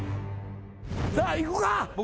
さあいくか。